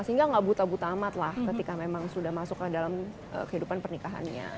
sehingga gak buta buta amat lah ketika memang sudah masuk ke dalam kehidupan pernikahannya